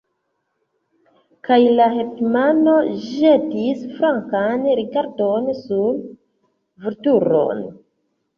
Kaj la hetmano ĵetis flankan rigardon sur Vulturon.